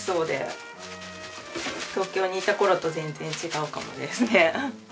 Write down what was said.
東京にいた頃と全然違うかもですね。